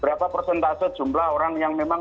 berapa persentase jumlah orang yang memang